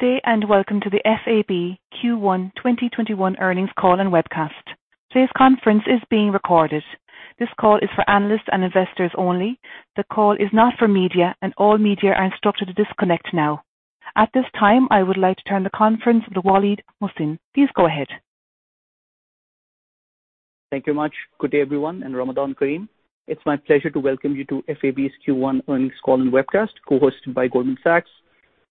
Good day, welcome to the FAB Q1 2021 earnings call and webcast. Today's conference is being recorded. This call is for analysts and investors only. The call is not for media, and all media are instructed to disconnect now. At this time, I would like to turn the conference to Waleed Mohsin. Please go ahead. Thank you much. Good day, everyone, and Ramadan Kareem. It's my pleasure to welcome you to FAB's Q1 earnings call and webcast, co-hosted by Goldman Sachs.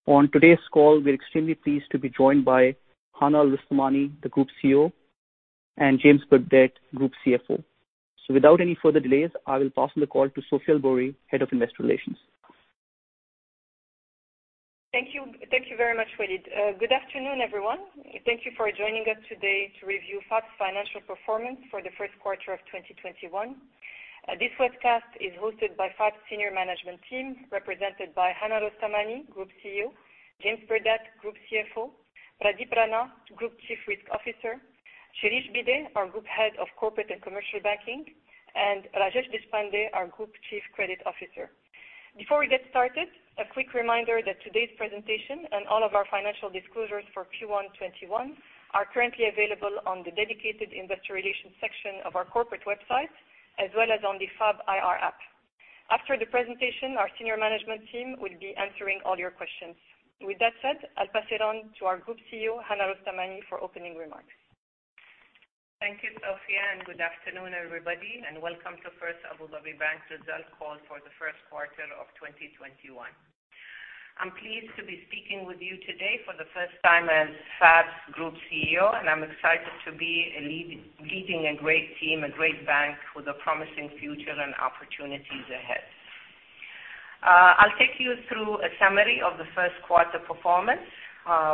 On today's call, we're extremely pleased to be joined by Hana Al Rostamani, the Group CEO, and James Burdett, Group CFO. Without any further delays, I will pass on the call to Sofia El Boury, Head of Investor Relations. Thank you. Thank you very much, Waleed. Good afternoon, everyone. Thank you for joining us today to review FAB's financial performance for the first quarter of 2021. This webcast is hosted by FAB senior management team, represented by Hana Al Rostamani, Group CEO; James Burdett, Group CFO; Pradeep Rana, Group Chief Risk Officer; Shirish Bhide, our Group Head of Corporate and Commercial Banking; and Rajesh Deshpande, our Group Chief Credit Officer. Before we get started, a quick reminder that today's presentation and all of our financial disclosures for Q1 2021 are currently available on the dedicated investor relations section of our corporate website, as well as on the FAB IR app. After the presentation, our senior management team will be answering all your questions. With that said, I'll pass it on to our Group CEO, Hana Al Rostamani, for opening remarks. Thank you, Sofia, good afternoon, everybody, and welcome to First Abu Dhabi Bank results call for the first quarter of 2021. I'm pleased to be speaking with you today for the first time as FAB's Group CEO. I'm excited to be leading a great team, a great bank with a promising future and opportunities ahead. I'll take you through a summary of the first quarter performance.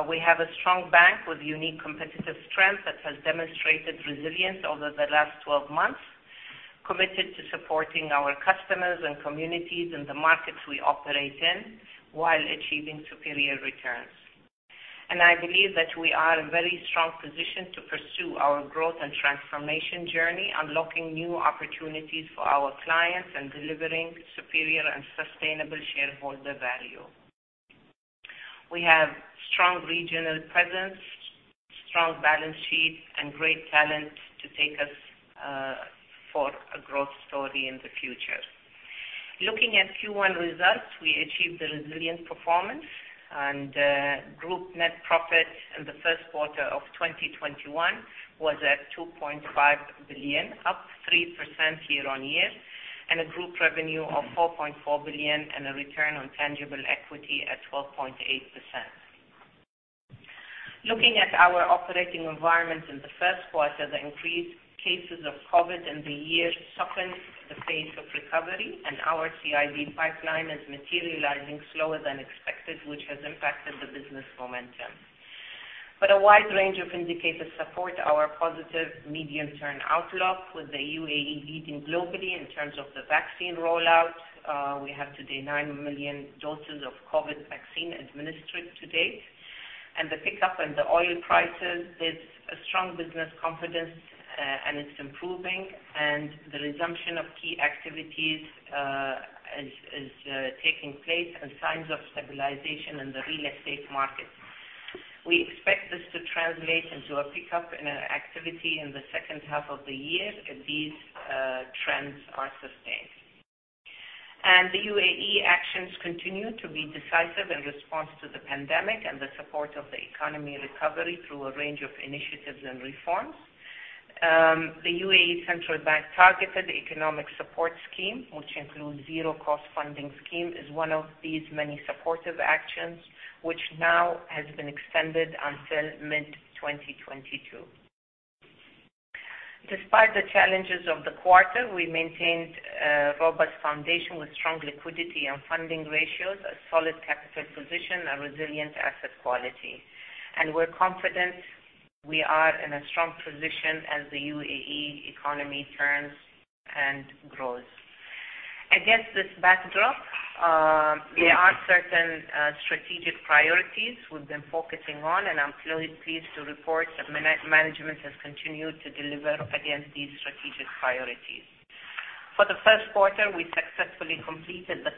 We have a strong bank with unique competitive strength that has demonstrated resilience over the last 12 months, committed to supporting our customers and communities in the markets we operate in while achieving superior returns. I believe that we are in very strong position to pursue our growth and transformation journey, unlocking new opportunities for our clients and delivering superior and sustainable shareholder value. We have strong regional presence, strong balance sheet, and great talent to take us for a growth story in the future. Looking at Q1 results, we achieved a resilient performance, and group net profit in the first quarter of 2021 was at 2.5 billion, up 3% year-on-year, and a group revenue of 4.4 billion and a return on tangible equity at 12.8%. Looking at our operating environment in the first quarter, the increased cases of COVID in the year softened the pace of recovery, and our CIB pipeline is materializing slower than expected, which has impacted the business momentum. A wide range of indicators support our positive medium-term outlook, with the UAE leading globally in terms of the vaccine rollout. We have today 9 million doses of COVID vaccine administered to date. The pickup in the oil prices is a strong business confidence, and it's improving, and the resumption of key activities is taking place and signs of stabilization in the real estate market. We expect this to translate into a pickup in activity in the second half of the year if these trends are sustained. The UAE actions continue to be decisive in response to the pandemic and the support of the economy recovery through a range of initiatives and reforms. The UAE Central Bank Targeted Economic Support Scheme, which includes zero cost funding scheme, is one of these many supportive actions, which now has been extended until mid-2022. Despite the challenges of the quarter, we maintained a robust foundation with strong liquidity and funding ratios, a solid capital position, a resilient asset quality. We're confident we are in a strong position as the UAE economy turns and grows. Against this backdrop, there are certain strategic priorities we've been focusing on, and I'm clearly pleased to report that management has continued to deliver against these strategic priorities. For the first quarter, we successfully completed the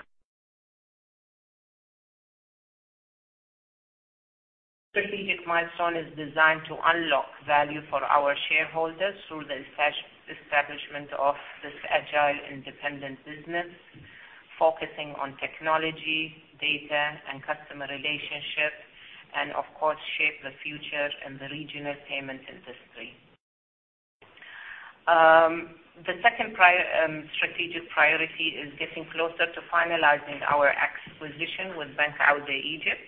strategic milestone is designed to unlock value for our shareholders through the establishment of this agile, independent business focusing on technology, data, and customer relationships, and of course, shape the future in the regional payment industry. The second strategic priority is getting closer to finalizing our acquisition with Bank Audi Egypt.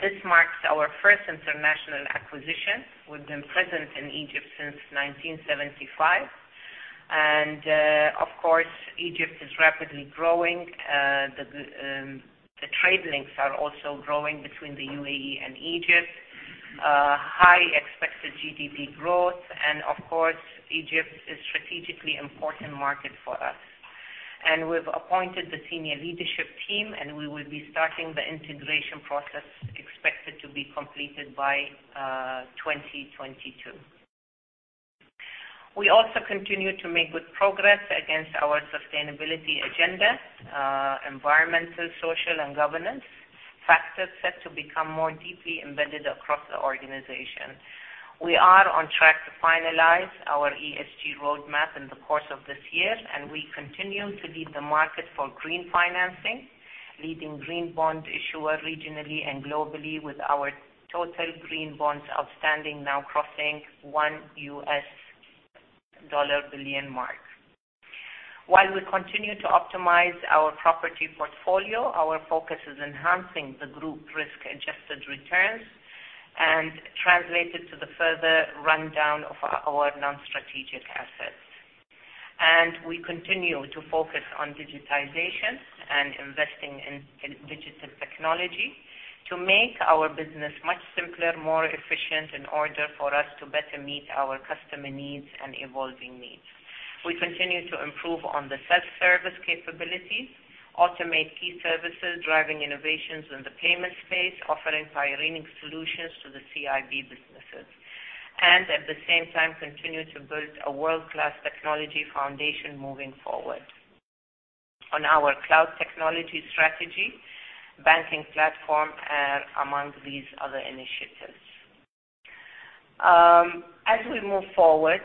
This marks our first international acquisition. We've been present in Egypt since 1975. Of course, Egypt is rapidly growing. The trade links are also growing between the UAE and Egypt. High expected GDP growth, and of course, Egypt is strategically important market for us. We've appointed the senior leadership team, and we will be starting the integration process expected to be completed by 2022. We also continue to make good progress against our sustainability agenda, environmental, social, and governance factors set to become more deeply embedded across the organization. We are on track to finalize our ESG roadmap in the course of this year, and we continue to lead the market for green financing, leading green bond issuer regionally and globally with our total green bonds outstanding now crossing a $1 billion mark. While we continue to optimize our property portfolio, our focus is enhancing the group risk-adjusted returns and translate it to the further rundown of our non-strategic assets. We continue to focus on digitization and investing in digital technology to make our business much simpler, more efficient in order for us to better meet our customer needs and evolving needs. We continue to improve on the self-service capabilities, automate key services, driving innovations in the payment space, offering pioneering solutions to the CIB businesses. At the same time, continue to build a world-class technology foundation moving forward on our cloud technology strategy, banking platform, and among these other initiatives. As we move forward,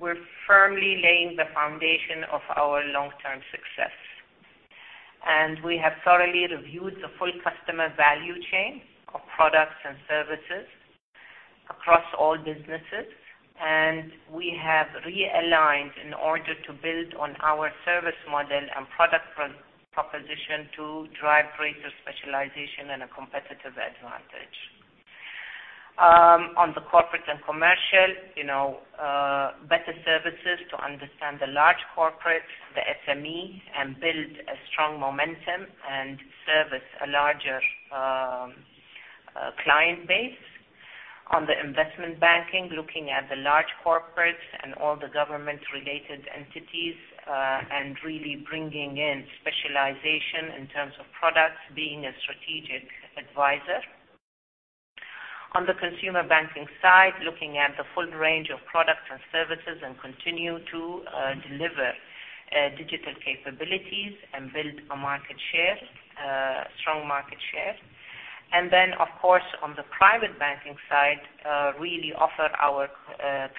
we're firmly laying the foundation of our long-term success. We have thoroughly reviewed the full customer value chain of products and services across all businesses, and we have realigned in order to build on our service model and product proposition to drive greater specialization and a competitive advantage. On the corporate and commercial, better services to understand the large corporate, the SME, and build a strong momentum and service a larger client base. On the investment banking, looking at the large corporates and all the government-related entities, and really bringing in specialization in terms of products, being a strategic advisor. On the consumer banking side, looking at the full range of products and services and continue to deliver digital capabilities and build a strong market share. Of course, on the private banking side, really offer our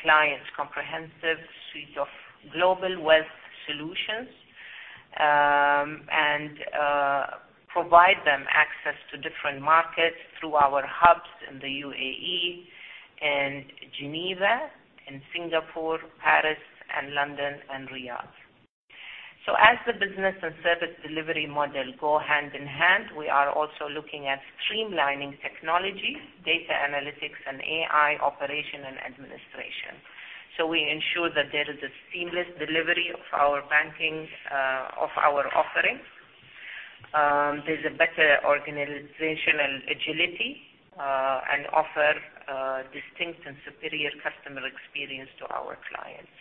clients comprehensive suite of global wealth solutions, and provide them access to different markets through our hubs in the UAE and Geneva, in Singapore, Paris, and London, and Riyadh. As the business and service delivery model go hand in hand, we are also looking at streamlining technologies, data analytics, and AI operation and administration. We ensure that there is a seamless delivery of our offerings. There's a better organizational agility, and offer a distinct and superior customer experience to our clients.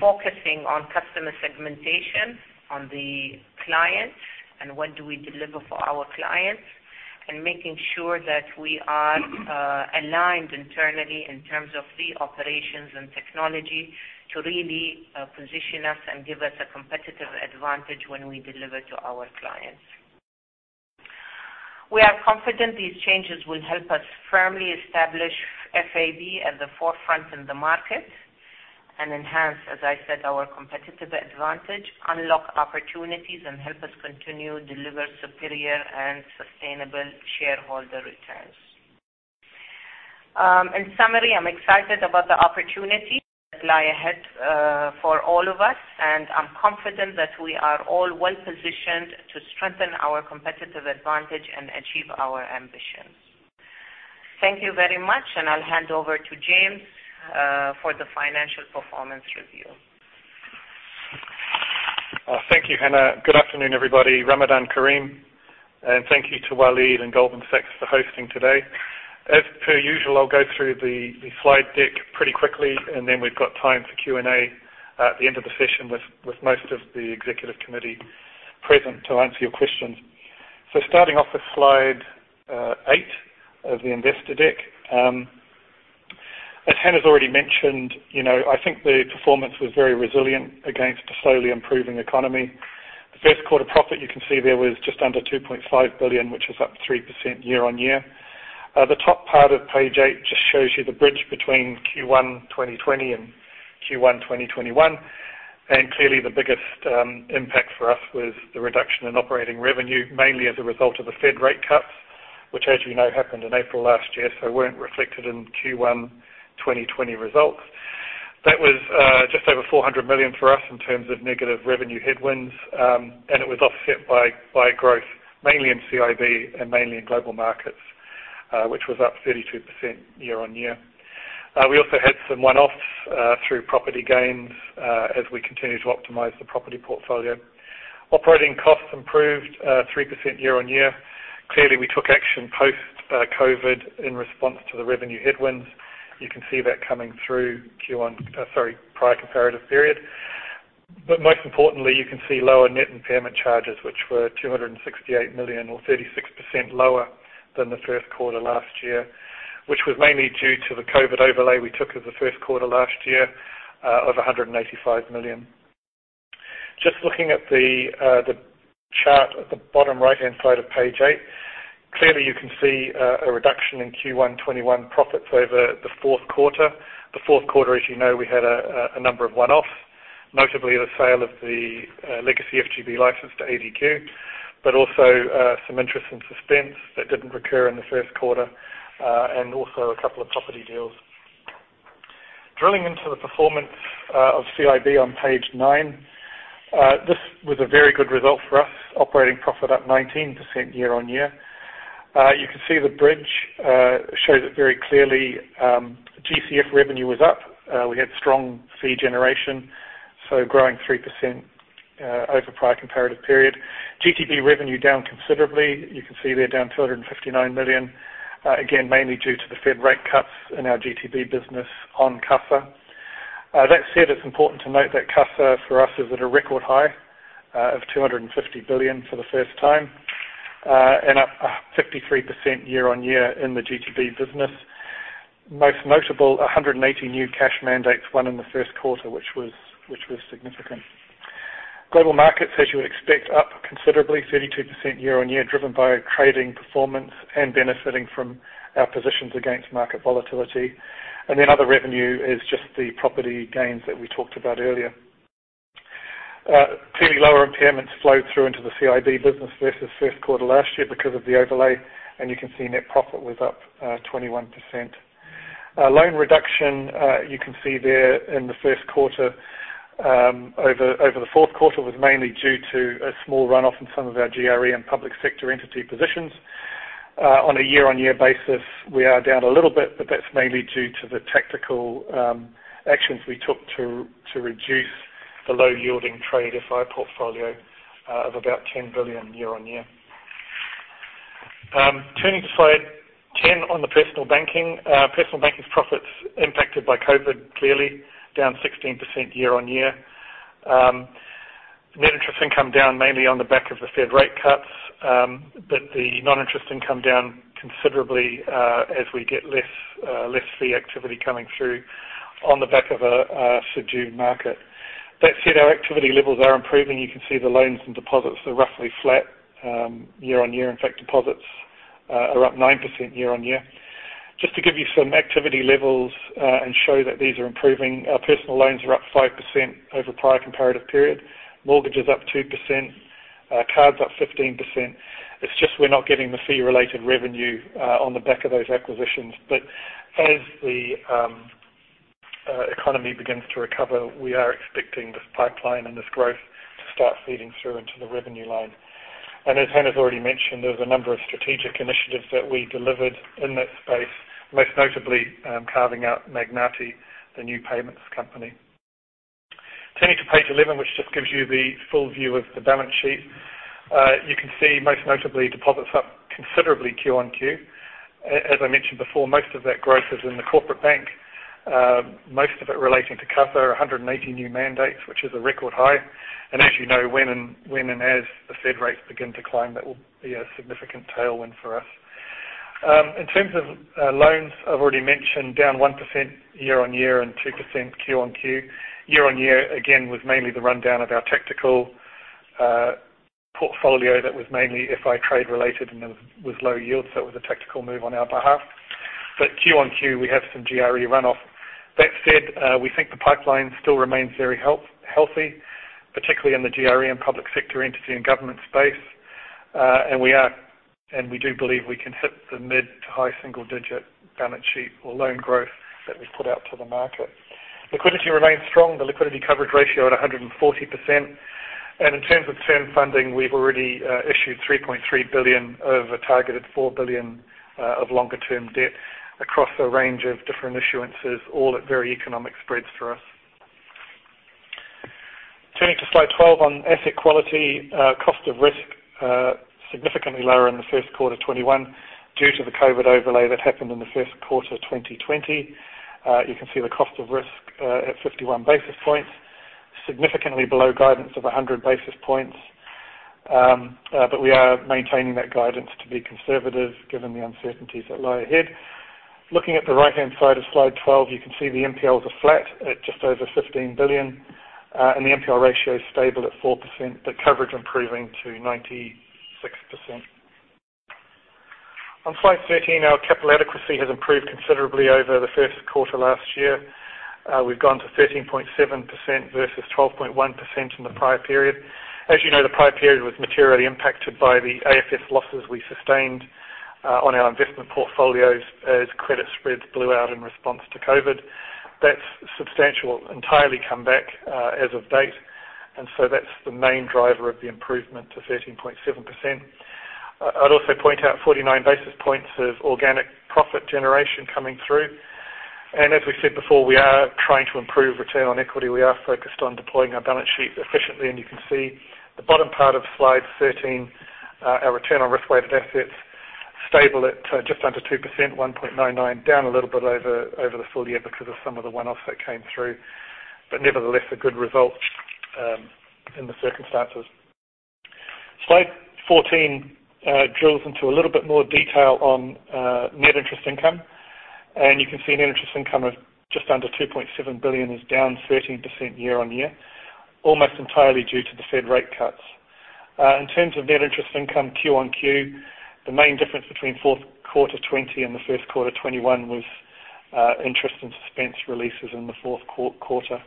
Focusing on customer segmentation on the clients and what do we deliver for our clients and making sure that we are aligned internally in terms of the operations and technology to really position us and give us a competitive advantage when we deliver to our clients. We are confident these changes will help us firmly establish FAB at the forefront in the market and enhance, as I said, our competitive advantage, unlock opportunities, and help us continue deliver superior and sustainable shareholder returns. In summary, I'm excited about the opportunity that lie ahead for all of us, and I'm confident that we are all well-positioned to strengthen our competitive advantage and achieve our ambitions. Thank you very much, and I'll hand over to James for the financial performance review. Thank you, Hana. Good afternoon, everybody. Ramadan Kareem. Thank you to Waleed and Goldman Sachs for hosting today. As per usual, I'll go through the slide deck pretty quickly, and then we've got time for Q&A at the end of the session with most of the executive committee present to answer your questions. Starting off with slide eight of the investor deck. As Hana's already mentioned, I think the performance was very resilient against a slowly improving economy. The first quarter profit you can see there was just under 2.5 billion, which is up 3% year-on-year. The top part of page eight just shows you the bridge between Q1 2020 and Q1 2021. Clearly, the biggest impact for us was the reduction in operating revenue, mainly as a result of the Fed rate cuts, which as you know, happened in April last year, so weren't reflected in Q1 2020 results. That was just over 400 million for us in terms of negative revenue headwinds, and it was offset by growth mainly in CIB and mainly in global markets, which was up 32% year-on-year. We also had some one-offs through property gains as we continue to optimize the property portfolio. Operating costs improved 3% year-on-year. Clearly, we took action post-COVID in response to the revenue headwinds. You can see that coming through Q1, sorry, prior comparative period. Most importantly, you can see lower net impairment charges, which were 268 million, or 36% lower than the first quarter last year, which was mainly due to the COVID overlay we took of the first quarter last year of 185 million. Just looking at the chart at the bottom right-hand side of page eight, clearly you can see a reduction in Q1 2021 profits over the fourth quarter. The fourth quarter, as you know, we had a number of one-offs, notably the sale of the legacy FGB license to ADQ. Also some interest in suspense that didn't recur in the first quarter, and also a couple of property deals. Drilling into the performance of CIB on page nine. This was a very good result for us, operating profit up 19% year-on-year. You can see the bridge shows it very clearly. GCF revenue was up. We had strong fee generation, so growing 3% over prior comparative period. GTB revenue down considerably. You can see there, down 259 million, again, mainly due to the Fed rate cuts in our GTB business on CASA. That said, it's important to note that CASA, for us, is at a record high of 250 billion for the first time, and up 53% year-on-year in the GTB business. Most notable, 180 new cash mandates won in the first quarter, which was significant. Global markets, as you would expect, up considerably, 32% year-on-year, driven by trading performance and benefiting from our positions against market volatility. Other revenue is just the property gains that we talked about earlier. Clearly, lower impairments flowed through into the CIB business versus first quarter last year because of the overlay, and you can see net profit was up 21%. Loan reduction, you can see there in the first quarter, over the fourth quarter, was mainly due to a small runoff in some of our GRE and public sector entity positions. On a year-on-year basis, we are down a little bit, but that's mainly due to the tactical actions we took to reduce the low yielding trade FI portfolio of about 10 billion year-on-year. Turning to slide 10 on the personal banking. Personal banking profits impacted by COVID, clearly down 16% year-on-year. Net Interest Income down mainly on the back of the Fed rate cuts. The Non-Interest Income down considerably as we get less fee activity coming through on the back of a subdued market. That said, our activity levels are improving. You can see the loans and deposits are roughly flat year-on-year. Deposits are up 9% year-on-year. Just to give you some activity levels, and show that these are improving, our personal loans are up 5% over prior comparative period. Mortgage is up 2%, cards up 15%. It's just we're not getting the fee-related revenue on the back of those acquisitions. As the economy begins to recover, we are expecting this pipeline and this growth to start feeding through into the revenue line. As Hana's already mentioned, there's a number of strategic initiatives that we delivered in that space, most notably carving out Magnati, the new payments company. Turning to page 11, which just gives you the full view of the balance sheet. You can see most notably, deposits up considerably Q-on-Q. As I mentioned before, most of that growth is in the corporate bank. Most of it relating to CASA, 180 new mandates, which is a record high. As you know, when and as the Fed rates begin to climb, that will be a significant tailwind for us. In terms of loans, I’ve already mentioned down 1% year-on-year and 2% Q-on-Q. Year-on-year, again, was mainly the rundown of our tactical portfolio that was mainly FI trade related, was low yield, it was a tactical move on our behalf. Q-on-Q, we have some GRE runoff. That said, we think the pipeline still remains very healthy, particularly in the GRE and public sector entity and government space. We do believe we can hit the mid to high single digit balance sheet or loan growth that we put out to the market. Liquidity remains strong. The liquidity coverage ratio at 140%. In terms of term funding, we've already issued 3.3 billion over targeted 4 billion of longer-term debt across a range of different issuances, all at very economic spreads for us. Turning to slide 12 on asset quality. Cost of risk significantly lower in the first quarter 2021 due to the COVID overlay that happened in the first quarter of 2020. You can see the cost of risk at 51 basis points, significantly below guidance of 100 basis points. We are maintaining that guidance to be conservative given the uncertainties that lie ahead. Looking at the right-hand side of slide 12, you can see the NPLs are flat at just over 15 billion, and the NPL ratio is stable at 4%, but coverage improving to 96%. On slide 13, our capital adequacy has improved considerably over the first quarter last year. We've gone to 13.7% versus 12.1% in the prior period. As you know, the prior period was materially impacted by the AFS losses we sustained on our investment portfolios as credit spreads blew out in response to COVID. That's substantial entirely come back as of date, that's the main driver of the improvement to 13.7%. I'd also point out 49 basis points of organic profit generation coming through. As we said before, we are trying to improve return on equity. We are focused on deploying our balance sheet efficiently, you can see the bottom part of slide 13, our return on risk-weighted assets stable at just under 2%, 1.99, down a little bit over the full year because of some of the one-offs that came through. Nevertheless, a good result in the circumstances. Slide 14 drills into a little bit more detail on net interest income. You can see net interest income of just under 2.7 billion is down 13% year-on-year, almost entirely due to the Fed rate cuts. In terms of net interest income Q-on-Q, the main difference between fourth quarter 2020 and the first quarter 2021 was interest in suspense releases in the fourth quarter.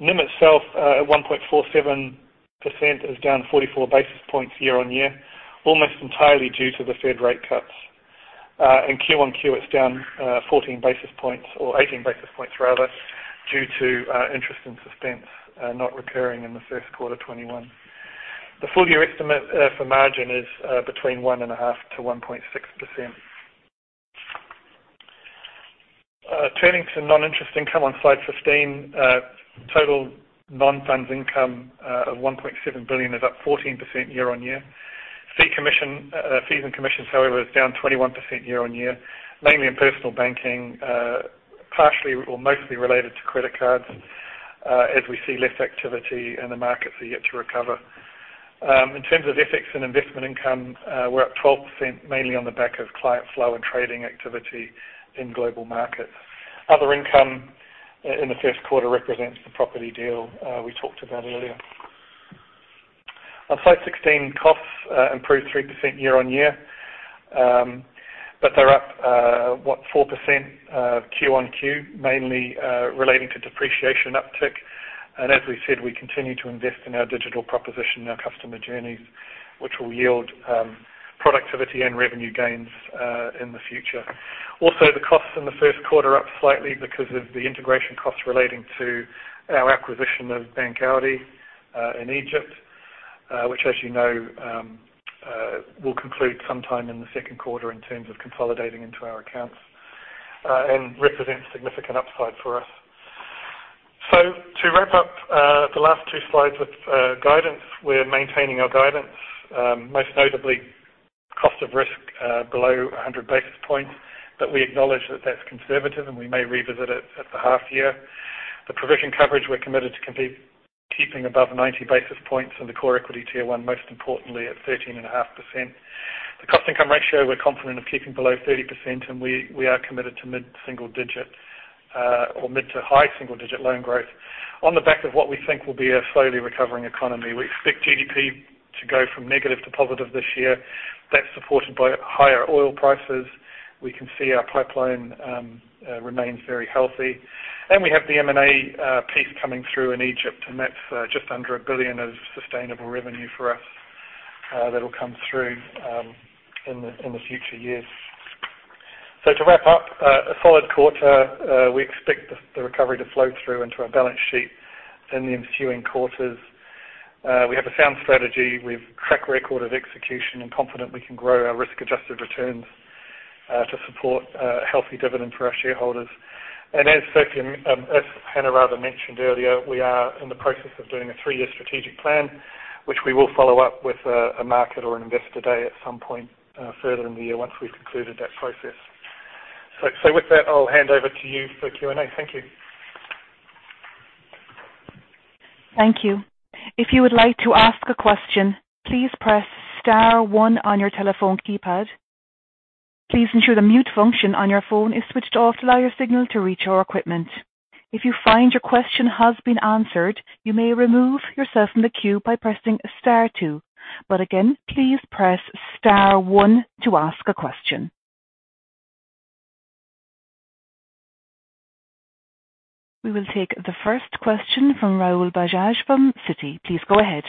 NIM itself, at 1.47%, is down 44 basis points year-on-year, almost entirely due to the Fed rate cuts. In Q-on-Q, it's down 14 basis points or 18 basis points rather, due to interest in suspense not recurring in the first quarter 2021. The full year estimate for margin is between 1.5%-1.6%. Turning to non-interest income on slide 15. Total non-funds income of 1.7 billion is up 14% year-on-year. Fees and commissions, however, is down 21% year-on-year, mainly in personal banking, partially or mostly related to credit cards, as we see less activity in the markets are yet to recover. In terms of FX and investment income, we're up 12%, mainly on the back of client flow and trading activity in global markets. Other income in the first quarter represents the property deal we talked about earlier. On slide 16, costs improved 3% year-on-year. They're up 4% Q1-Q, mainly relating to depreciation uptick. As we said, we continue to invest in our digital proposition and our customer journeys, which will yield productivity and revenue gains in the future. The costs in the first quarter are up slightly because of the integration costs relating to our acquisition of Bank Audi in Egypt, which as you know, will conclude sometime in the second quarter in terms of consolidating into our accounts, and represents significant upside for us. To wrap up the last two slides with guidance. We're maintaining our guidance, most notably cost of risk below 100 basis points. We acknowledge that's conservative, and we may revisit it at the half year. The provision coverage we're committed to keeping above 90 basis points, and the core Equity Tier 1, most importantly at 13.5%. The cost income ratio, we're confident of keeping below 30%, and we are committed to mid-single digit or mid to high single digit loan growth. On the back of what we think will be a slowly recovering economy. We expect GDP to go from negative to positive this year. That's supported by higher oil prices. We can see our pipeline remains very healthy. We have the M&A piece coming through in Egypt, and that's just under 1 billion of sustainable revenue for us that'll come through in the future years. To wrap up a solid quarter, we expect the recovery to flow through into our balance sheet in the ensuing quarters. We have a sound strategy. We have a track record of execution and we are confident we can grow our risk-adjusted returns, to support a healthy dividend for our shareholders. As Hana mentioned earlier, we are in the process of doing a three-year strategic plan, which we will follow up with a market or an investor day at some point further in the year once we've concluded that process. With that, I'll hand over to you for Q&A. Thank you. Thank you. If you would like to ask a question, please press star one on your telephone keypad. Please ensure the mute function on your phone is switched off to allow your signal to reach our equipment. If you find your question has been answered, you may remove yourself from the queue by pressing star two. Again, please press star one to ask a question. We will take the first question from Rahul Bajaj from Citi. Please go ahead.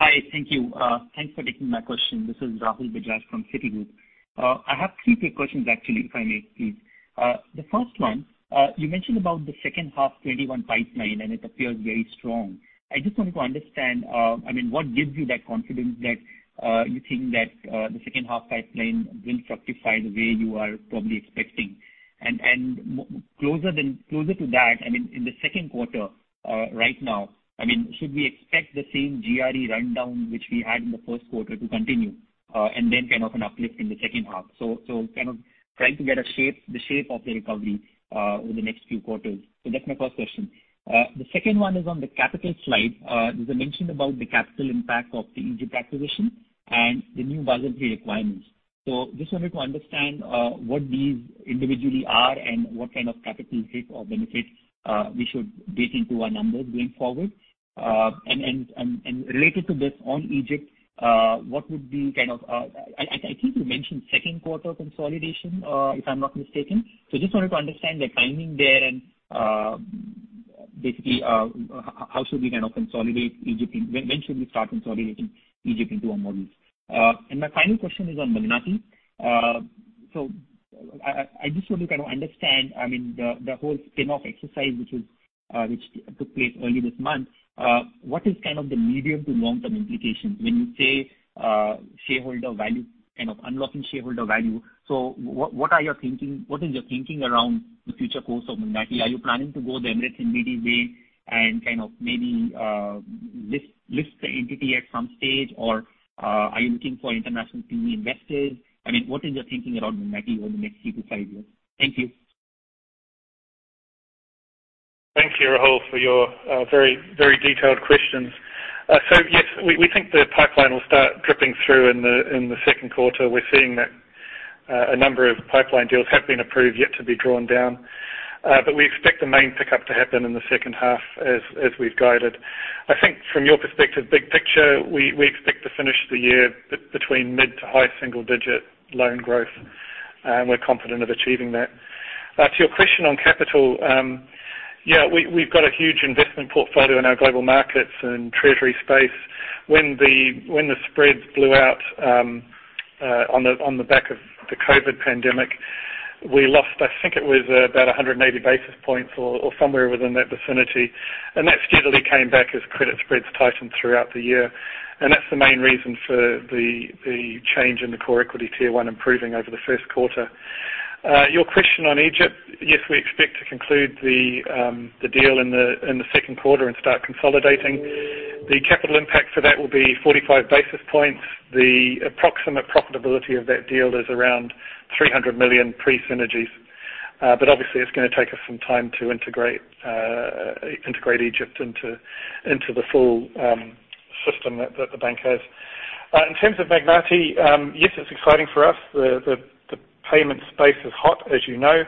Hi. Thank you. Thanks for taking my question. This is Rahul Bajaj from Citigroup. I have three quick questions, actually, if I may, please. The first one, you mentioned about the second half 2021 pipeline, and it appears very strong. I just wanted to understand, what gives you that confidence that you think that the second half pipeline will justify the way you are probably expecting? Closer to that, in the second quarter, right now, should we expect the same GRE rundown, which we had in the first quarter to continue, and then an uplift in the second half? Trying to get the shape of the recovery over the next few quarters. That's my first question. The second one is on the capital slide. There's a mention about the capital impact of the Egypt acquisition and the new Basel III requirements. Just wanted to understand what these individually are and what kind of capital hit or benefits we should bake into our numbers going forward. Related to this, on Egypt, I think you mentioned second quarter consolidation, if I'm not mistaken. Just wanted to understand the timing there and basically when should we start consolidating Egypt into our models? My final question is on Magnati. I just want to understand the whole spin-off exercise which took place early this month. What is the medium to long-term implication when you say unlocking shareholder value? What is your thinking around the future course of Magnati? Are you planning to go the Emirates NBD way, and maybe list the entity at some stage, or are you looking for international PE investors? What is your thinking around Magnati over the next three to five years? Thank you. Thank you, Rahul, for your very detailed questions. Yes, we think the pipeline will start dripping through in the second quarter. We're seeing that a number of pipeline deals have been approved, yet to be drawn down. We expect the main pickup to happen in the second half as we've guided. From your perspective, big picture, we expect to finish the year between mid to high single digit loan growth. We're confident of achieving that. To your question on capital, we've got a huge investment portfolio in our global markets and treasury space. When the spreads blew out on the back of the COVID pandemic, we lost, I think it was about 180 basis points or somewhere within that vicinity. That steadily came back as credit spreads tightened throughout the year. That's the main reason for the change in the Common Equity Tier 1 improving over the first quarter. Your question on Egypt, yes, we expect to conclude the deal in the second quarter and start consolidating. The capital impact for that will be 45 basis points. The approximate profitability of that deal is around 300 million pre-synergies. Obviously, it's going to take us some time to integrate Egypt into the full system that the bank has. In terms of Magnati, yes, it's exciting for us. The payment space is hot, as you know.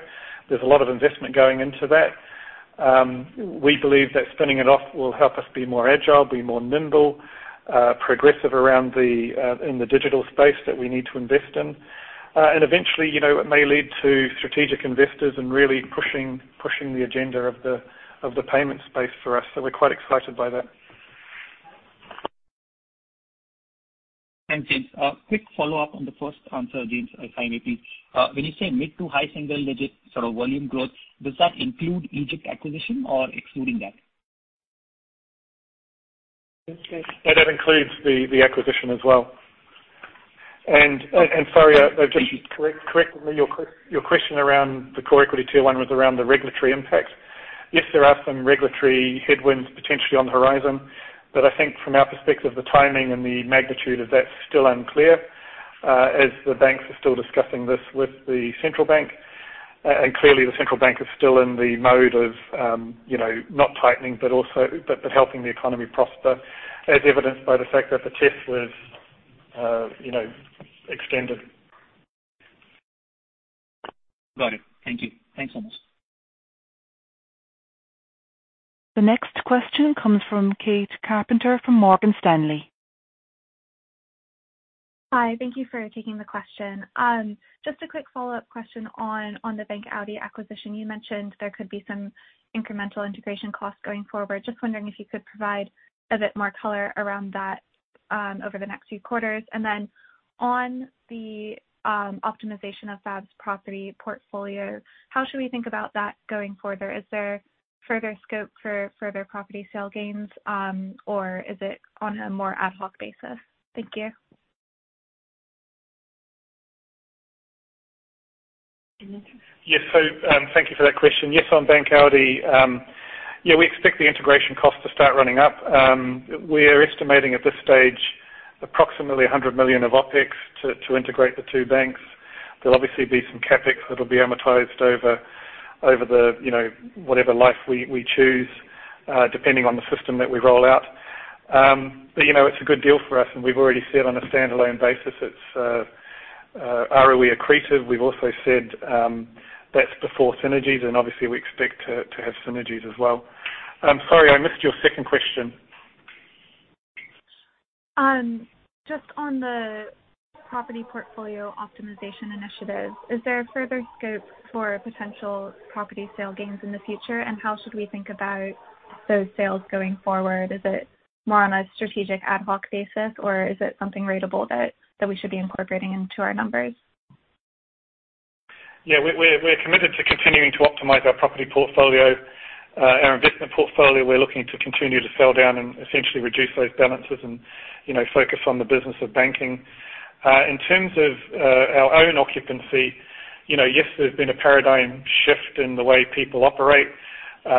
There's a lot of investment going into that. We believe that spinning it off will help us be more agile, be more nimble, progressive around in the digital space that we need to invest in. Eventually, it may lead to strategic investors and really pushing the agenda of the payment space for us. We're quite excited by that. Thanks, James. A quick follow-up on the first answer, James, if I may please. When you say mid to high single digits sort of volume growth, does that include Egypt acquisition or excluding that? Yeah, that includes the acquisition as well. Sofia El Boury, just to correct me, your question around the Common Equity Tier 1 was around the regulatory impact. Yes, there are some regulatory headwinds potentially on the horizon, but I think from our perspective, the timing and the magnitude of that's still unclear, as the banks are still discussing this with the central bank. Clearly the central bank is still in the mode of not tightening, but helping the economy prosper, as evidenced by the fact that the TESS was extended. Got it. Thank you. Thanks so much. The next question comes from Kate Carpenter from Morgan Stanley. Hi. Thank you for taking the question. Just a quick follow-up question on the Bank Audi acquisition. You mentioned there could be some incremental integration costs going forward. Just wondering if you could provide a bit more color around that over the next few quarters. On the optimization of FAB's property portfolio, how should we think about that going further? Is there further scope for further property sale gains? Is it on a more ad hoc basis? Thank you. Yes. Thank you for that question. Yes, on Bank Audi, we expect the integration cost to start running up. We are estimating at this stage approximately 100 million of OpEx to integrate the two banks. There will obviously be some CapEx that will be amortized over whatever life we choose, depending on the system that we roll out. It is a good deal for us, and we have already said on a standalone basis, it is ROE accretive. We have also said that is before synergies. Obviously we expect to have synergies as well. Sorry, I missed your second question. Just on the property portfolio optimization initiative, is there a further scope for potential property sale gains in the future? How should we think about those sales going forward? Is it more on a strategic ad hoc basis, or is it something ratable that we should be incorporating into our numbers? We're committed to continuing to optimize our property portfolio. Our investment portfolio, we're looking to continue to sell down and essentially reduce those balances and focus on the business of banking. In terms of our own occupancy, yes, there's been a paradigm shift in the way people operate.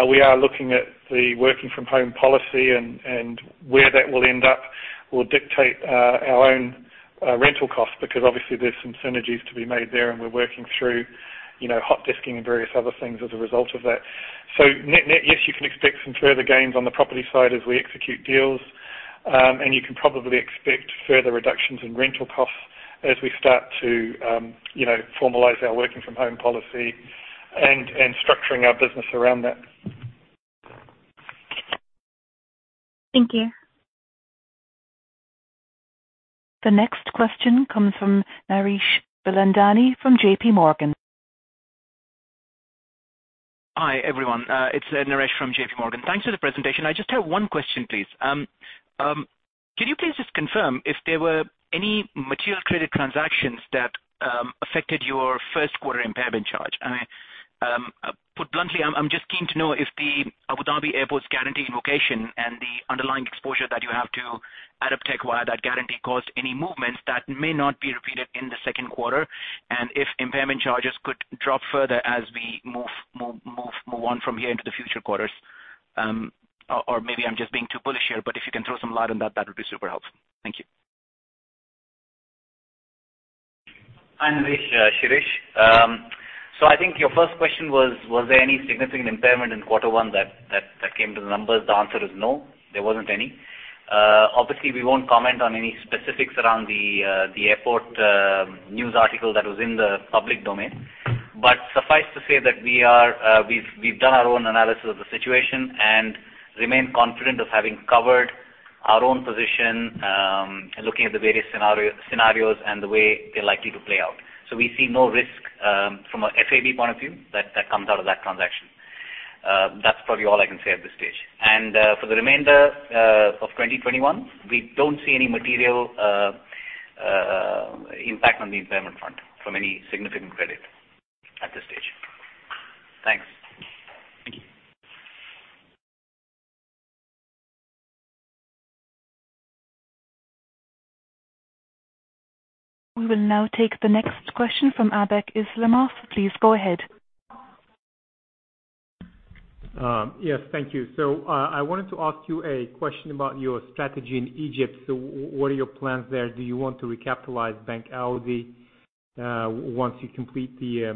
We are looking at the working from home policy, and where that will end up will dictate our own rental costs, because obviously there's some synergies to be made there, and we're working through hot desking and various other things as a result of that. Net-net, yes, you can expect some further gains on the property side as we execute deals. You can probably expect further reductions in rental costs as we start to formalize our working from home policy and structuring our business around that. Thank you. The next question comes from Naresh Bilandani from JP Morgan. Hi, everyone. It's Naresh from JP Morgan. Thanks for the presentation. I just have one question, please. Can you please just confirm if there were any material credit transactions that affected your first quarter impairment charge? Put bluntly, I'm just keen to know if the Abu Dhabi Airports guarantee invocation and the underlying exposure that you have to Aabar Investments PJS via that guarantee caused any movements that may not be repeated in the second quarter, and if impairment charges could drop further as we move on from here into the future quarters. Maybe I'm just being too bullish here, but if you can throw some light on that would be super helpful. Thank you. Hi Naresh, Shirish. I think your first question was there any significant impairment in quarter one that came to the numbers? The answer is no, there wasn't any. Obviously, we won't comment on any specifics around the airport news article that was in the public domain. Suffice to say that we've done our own analysis of the situation and remain confident of having covered our own position, looking at the various scenarios and the way they're likely to play out. We see no risk from a FAB point of view that comes out of that transaction. That's probably all I can say at this stage. For the remainder of 2021, we don't see any material impact on the impairment front from any significant credit at this stage. Thanks. Thank you. We will now take the next question from Atabek Islamov. Please go ahead. Thank you. I wanted to ask you a question about your strategy in Egypt. What are your plans there? Do you want to recapitalize Bank Audi once you complete the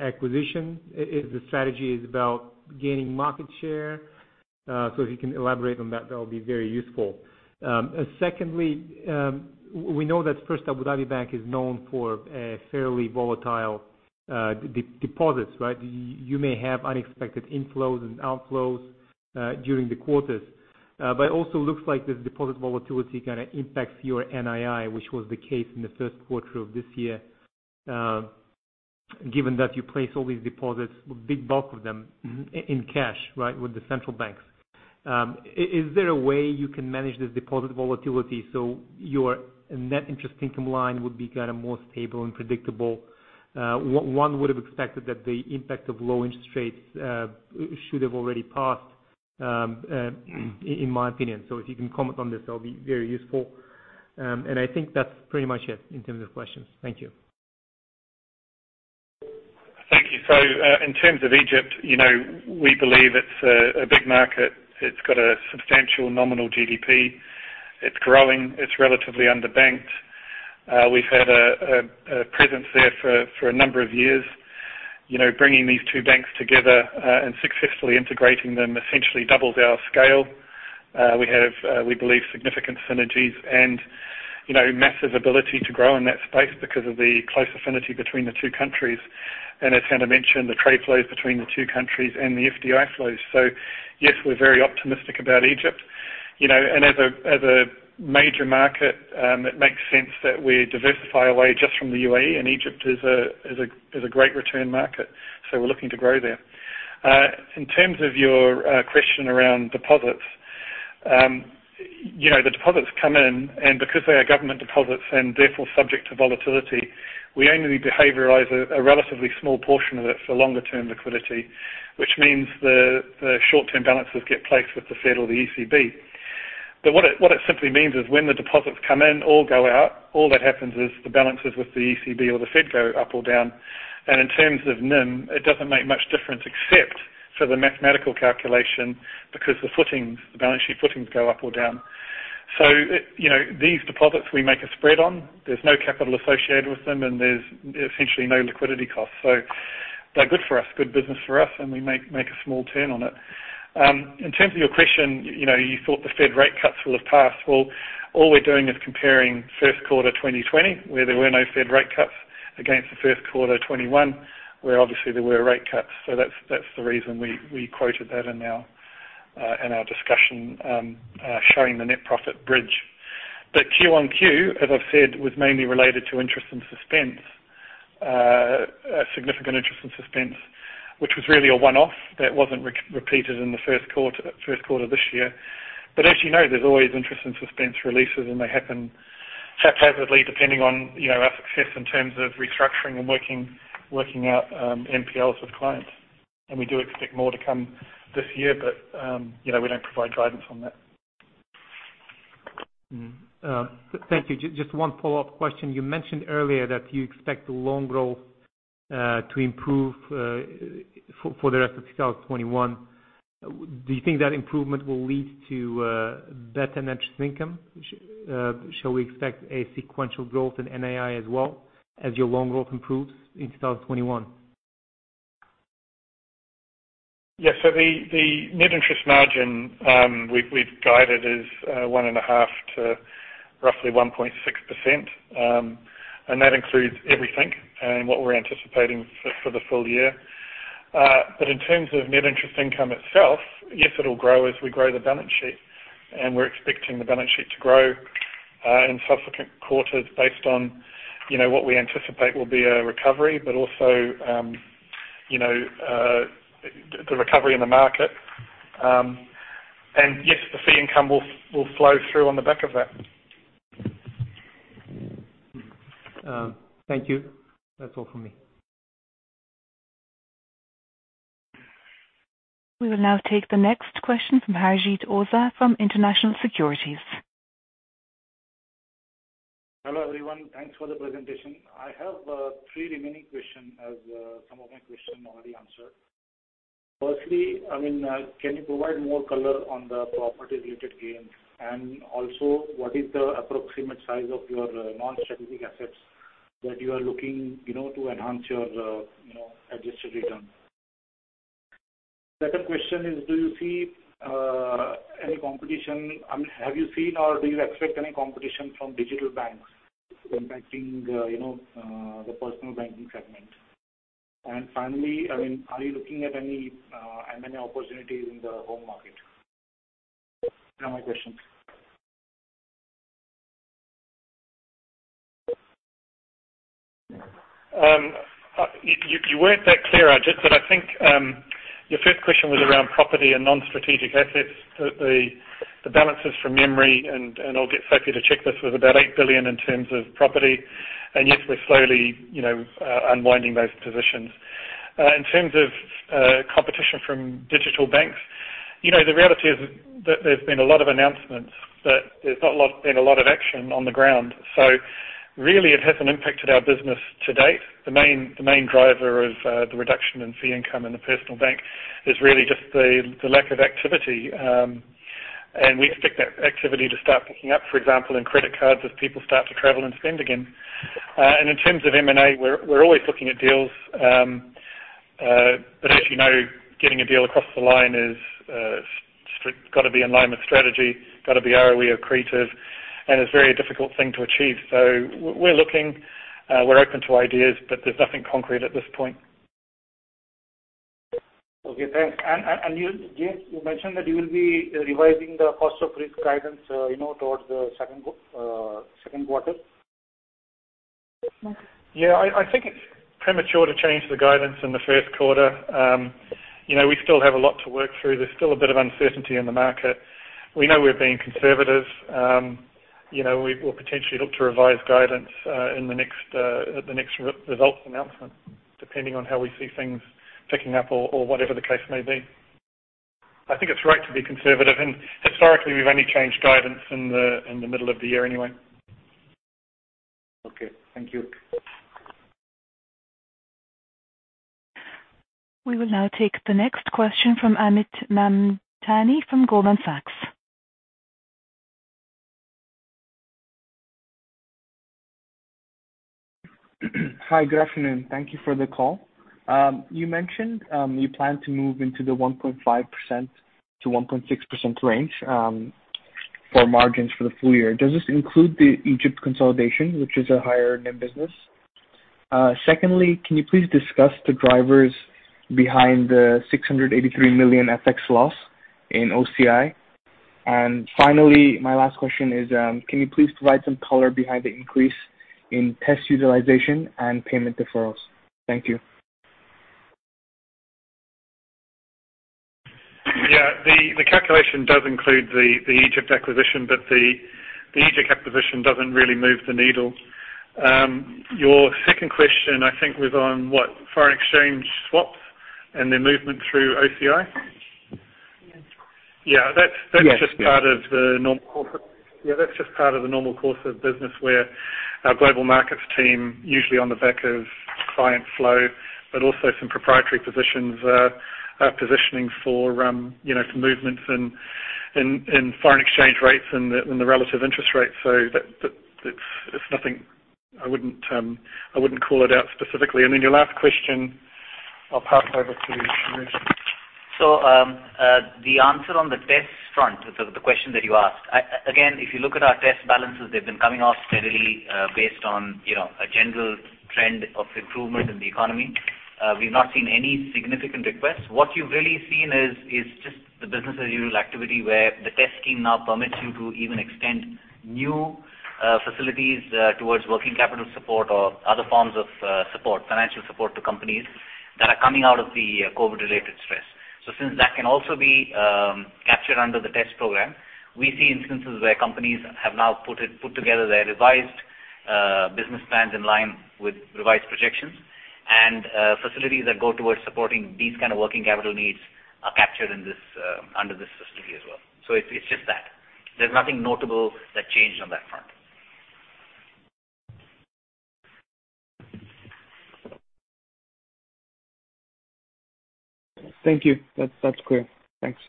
acquisition? Is the strategy about gaining market share? If you can elaborate on that will be very useful. Secondly, we know that First Abu Dhabi Bank is known for fairly volatile deposits. You may have unexpected inflows and outflows during the quarters. It also looks like this deposit volatility kind of impacts your NII, which was the case in the first quarter of this year, given that you place all these deposits, a big bulk of them, in cash with the central banks. Is there a way you can manage this deposit volatility so your Net Interest Income line would be more stable and predictable? One would have expected that the impact of low interest rates should have already passed, in my opinion. If you can comment on this, that'll be very useful. I think that's pretty much it in terms of questions. Thank you. Thank you. In terms of Egypt, we believe it's a big market. It's got a substantial nominal GDP. It's growing. It's relatively underbanked. We've had a presence there for a number of years. Bringing these two banks together and successfully integrating them essentially doubles our scale. We have, we believe, significant synergies and massive ability to grow in that space because of the close affinity between the two countries. As Hana mentioned, the trade flows between the two countries and the FDI flows. Yes, we're very optimistic about Egypt. As a major market, it makes sense that we diversify away just from the UAE, and Egypt is a great return market, so we're looking to grow there. In terms of your question around deposits. The deposits come in, and because they are government deposits and therefore subject to volatility, we only behavioralize a relatively small portion of it for longer-term liquidity, which means the short-term balances get placed with the Fed or the ECB. What it simply means is when the deposits come in or go out, all that happens is the balances with the ECB or the Fed go up or down. In terms of NIM, it doesn't make much difference except for the mathematical calculation because the balance sheet footings go up or down. These deposits we make a spread on. There's no capital associated with them and there's essentially no liquidity cost. They're good for us, good business for us, and we make a small turn on it. In terms of your question, you thought the Fed rate cuts will have passed. Well, all we're doing is comparing first quarter 2020, where there were no Fed rate cuts against the first quarter 2021, where obviously there were rate cuts. That's the reason we quoted that in our discussion showing the net profit bridge. Q-on-Q, as I've said, was mainly related to interest in suspense, significant interest in suspense, which was really a one-off that wasn't repeated in the first quarter this year. As you know, there's always interest in suspense releases and they happen haphazardly depending on our success in terms of restructuring and working out NPLs with clients. We do expect more to come this year, but we don't provide guidance on that. Thank you. Just one follow-up question. You mentioned earlier that you expect the loan growth to improve for the rest of 2021. Do you think that improvement will lead to better net interest income? Shall we expect a sequential growth in NII as well as your loan growth improves in 2021? The net interest margin we've guided is 1.5 to roughly 1.6%, and that includes everything and what we're anticipating for the full year. In terms of net interest income itself, yes, it'll grow as we grow the balance sheet. We're expecting the balance sheet to grow in subsequent quarters based on what we anticipate will be a recovery, but also the recovery in the market. Yes, the fee income will flow through on the back of that. Thank you. That's all from me. We will now take the next question from Harshjit Oza from International Securities. Hello, everyone. Thanks for the presentation. I have three remaining questions as some of my questions are already answered. Firstly, can you provide more color on the properties related gains? What is the approximate size of your non-strategic assets that you are looking to enhance your adjusted return? Second question is, have you seen or do you expect any competition from digital banks impacting the personal banking segment? Finally, are you looking at any M&A opportunity in the home market? These are my questions. You weren't that clear, Harshjit, I think your first question was around property and non-strategic assets. The balances from memory, I'll get Sofia to check this, was about 8 billion in terms of property. Yes, we're slowly unwinding those positions. In terms of competition from digital banks, the reality is that there's been a lot of announcements, but there's not been a lot of action on the ground. Really, it hasn't impacted our business to date. The main driver of the reduction in fee income in the personal bank is really just the lack of activity. We expect that activity to start picking up, for example, in credit cards as people start to travel and spend again. In terms of M&A, we're always looking at deals. As you know, getting a deal across the line has got to be in line with strategy, got to be ROE accretive, and it's a very difficult thing to achieve. We're looking. We're open to ideas, but there's nothing concrete at this point. Okay, thanks. James, you mentioned that you will be revising the cost of risk guidance towards the second quarter? Yeah, I think it's premature to change the guidance in the first quarter. We still have a lot to work through. There's still a bit of uncertainty in the market. We know we're being conservative. We will potentially look to revise guidance at the next results announcement, depending on how we see things picking up or whatever the case may be. I think it's right to be conservative. Historically, we've only changed guidance in the middle of the year anyway. Okay. Thank you. We will now take the next question from Amit Mamtani from Goldman Sachs. Hi. Good afternoon. Thank you for the call. You mentioned you plan to move into the 1.5%-1.6% range for margins for the full year. Does this include the Egypt consolidation, which is a higher NIM business? Can you please discuss the drivers behind the 683 million FX loss in OCI? Finally, my last question is can you please provide some color behind the increase in TESS utilization and payment deferrals? Thank you. Yeah. The calculation does include the Egypt acquisition, but the Egypt acquisition doesn't really move the needle. Your second question, I think, was on what foreign exchange swaps and their movement through OCI? Yes. Yeah, that's just part of the normal course of business where our global markets team, usually on the back of client flow, but also some proprietary positions, are positioning for some movements in foreign exchange rates and the relative interest rates. It's nothing. I wouldn't call it out specifically. Your last question, I'll pass over to Shirish. The answer on the TESS front, the question that you asked. If you look at our TESS balances, they've been coming off steadily based on a general trend of improvement in the economy. We've not seen any significant requests. What you've really seen is just the business-as-usual activity where the TESS team now permits you to even extend new facilities towards working capital support or other forms of support, financial support to companies that are coming out of the COVID-related stress. Since that can also be captured under the TESS program, we see instances where companies have now put together their revised business plans in line with revised projections. Facilities that go towards supporting these kind of working capital needs are captured under this facility as well. It's just that. There's nothing notable that changed on that front. Thank you. That's clear. Thanks.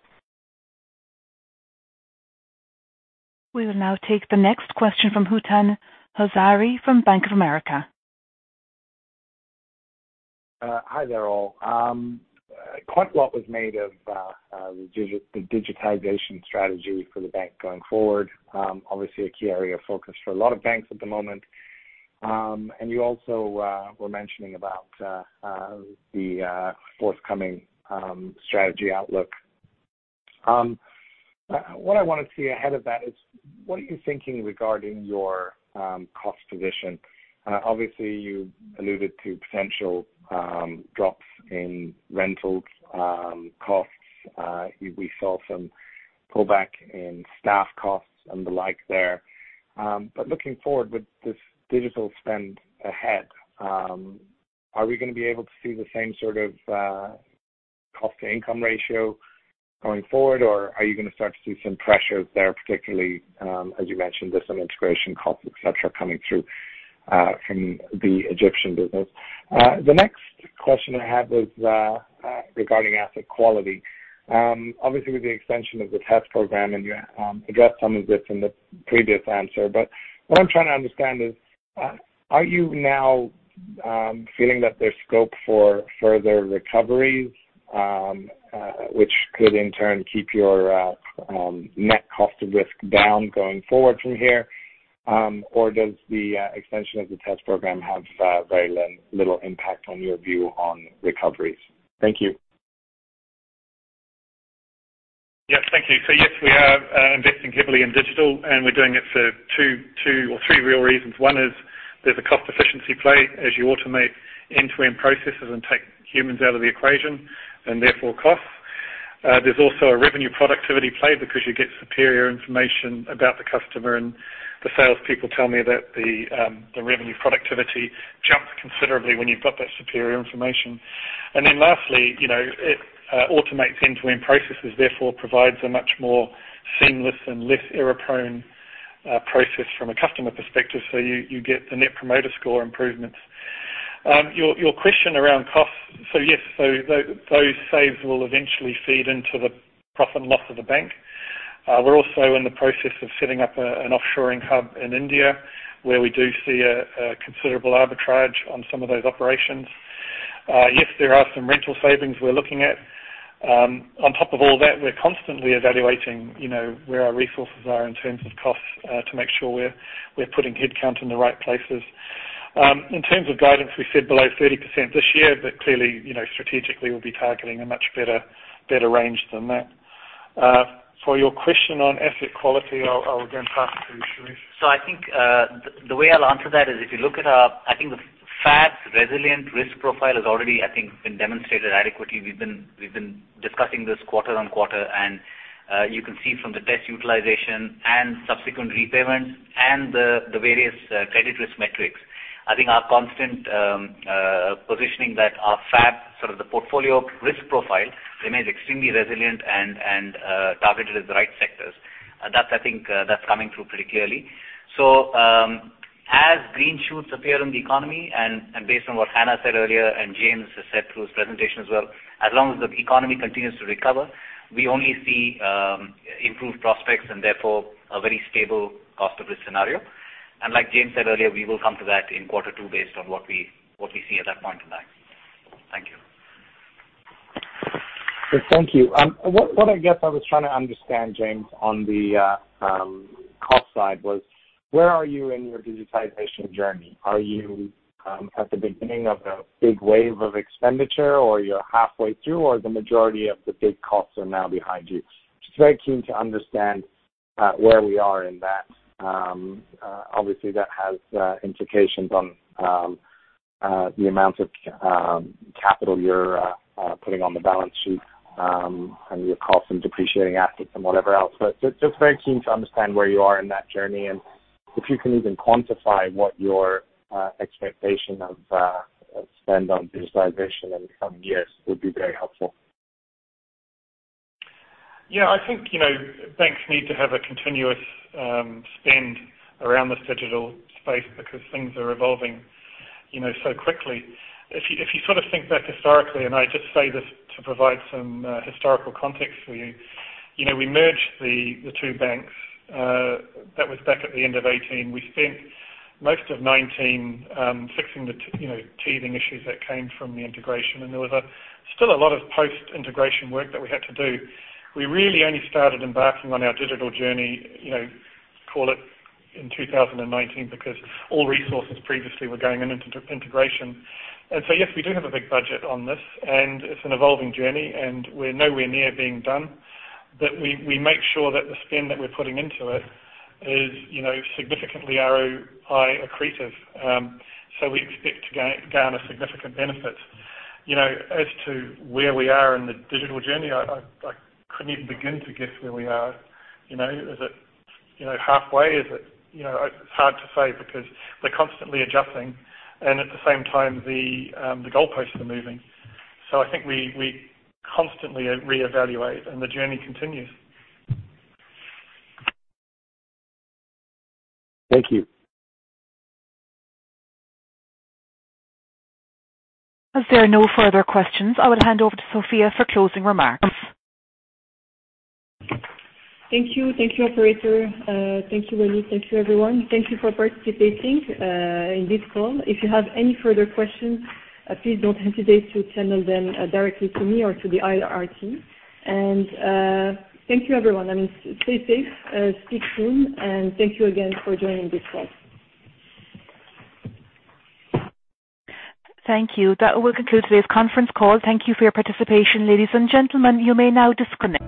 We will now take the next question from Hootan Yazhari from Bank of America. Hi there, all. Quite a lot was made of the digitization strategy for the bank going forward. Obviously, a key area of focus for a lot of banks at the moment. You also were mentioning about the forthcoming strategy outlook. What I want to see ahead of that is what are you thinking regarding your cost position? Obviously, you alluded to potential drops in rentals costs. We saw some pullback in staff costs and the like there. Looking forward with this digital spend ahead, are we going to be able to see the same sort of cost-to-income ratio going forward, or are you going to start to see some pressures there, particularly, as you mentioned, with some integration costs, et cetera, coming through from the Egyptian business? The next question I have is regarding asset quality. Obviously, with the extension of the TESS program, and you addressed some of this in the previous answer, but what I'm trying to understand is, are you now feeling that there's scope for further recoveries, which could in turn keep your net cost of risk down going forward from here? Does the extension of the TESS program have very little impact on your view on recoveries? Thank you. Yes. Thank you. Yes, we are investing heavily in digital, and we're doing it for two or three real reasons. One is there's a cost efficiency play as you automate end-to-end processes and take humans out of the equation, and therefore costs. There's also a revenue productivity play because you get superior information about the customer, and the salespeople tell me that the revenue productivity jumps considerably when you've got that superior information. Lastly, it automates end-to-end processes, therefore provides a much more seamless and less error-prone process from a customer perspective, so you get the Net Promoter Score improvements. Your question around costs. Yes, those saves will eventually feed into the profit and loss of the bank. We're also in the process of setting up an offshoring hub in India, where we do see a considerable arbitrage on some of those operations. Yes, there are some rental savings we're looking at. On top of all that, we're constantly evaluating where our resources are in terms of costs, to make sure we're putting headcount in the right places. In terms of guidance, we said below 30% this year, but clearly, strategically, we'll be targeting a much better range than that. For your question on asset quality, I'll again pass it to you, Shirish. I think, the way I'll answer that is if you look at our I think the FAB's resilient risk profile has already, I think, been demonstrated adequately. We've been discussing this quarter on quarter, and you can see from the debt utilization and subsequent repayments and the various credit risk metrics. I think our constant positioning that our FAB, the portfolio risk profile, remains extremely resilient and targeted at the right sectors. That, I think, that's coming through pretty clearly. As green shoots appear in the economy, and based on what Hana said earlier and James has said through his presentation as well, as long as the economy continues to recover, we only see improved prospects and therefore a very stable cost of risk scenario. Like James said earlier, we will come to that in quarter two based on what we see at that point in time. Thank you. Yes. Thank you. WhatI was trying to understand, James, on the cost side was, where are you in your digitization journey? Are you at the beginning of a big wave of expenditure, or you're halfway through, or the majority of the big costs are now behind you? Just very keen to understand where we are in that. Obviously, that has implications on the amount of capital you're putting on the balance sheet, and your cost in depreciating assets and whatever else. Just very keen to understand where you are in that journey, and if you can even quantify what your expectation of spend on digitization in the coming years would be very helpful. Yeah. Banks need to have a continuous spend around this digital space because things are evolving so quickly. If you sort of think back historically, and I just say this to provide some historical context for you. We merged the two banks. That was back at the end of 2018. We spent most of 2019 fixing the teething issues that came from the integration, and there was still a lot of post-integration work that we had to do. We really only started embarking on our digital journey, call it in 2019, because all resources previously were going into integration. Yes, we do have a big budget on this, and it's an evolving journey, and we're nowhere near being done. We make sure that the spend that we're putting into it is significantly ROE accretive. We expect to garner significant benefits. As to where we are in the digital journey, I couldn't even begin to guess where we are. Is it halfway? It's hard to say because they're constantly adjusting, and at the same time, the goalposts are moving. We constantly reevaluate, and the journey continues. Thank you. As there are no further questions, I will hand over to Sofia for closing remarks. Thank you. Thank you, operator. Thank you, Waleed. Thank you, everyone. Thank you for participating in this call. If you have any further questions, please don't hesitate to channel them directly to me or to the IR team. Thank you, everyone. Stay safe. Speak soon, and thank you again for joining this call. Thank you. That will conclude today's conference call. Thank you for your participation, ladies and gentlemen. You may now disconnect